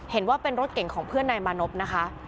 เห็นว่าเป็นรถเก่งของเพื่อนนายมานพนะคะ